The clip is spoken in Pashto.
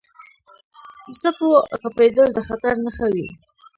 • د سپو غپېدل د خطر نښه وي.